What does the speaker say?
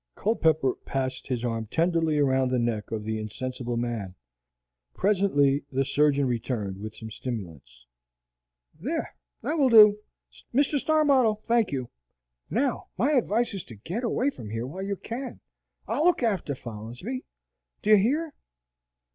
Culpepper passed his arm tenderly around the neck of the insensible man. Presently the surgeon returned with some stimulants. "There, that will do, Mr. Starbottle, thank you. Now my advice is to get away from here while you can. I'll look after Folinsbee. Do you hear?"